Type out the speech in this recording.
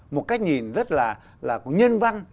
một cách nhìn rất là nhân văn